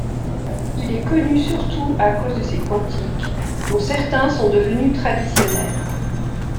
Il est connu surtout à cause de ses cantiques, dont certains sont devenus traditionnels.